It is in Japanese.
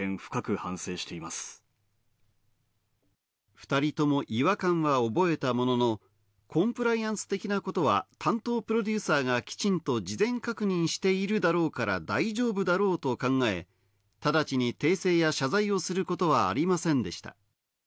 ２人とも違和感は覚えたものの、コンプライアンス的なことは担当プロデューサーがきちんと事前確認しているだろうから大丈夫だろうと考え、直ちに訂正や謝罪をすることはありませんでした。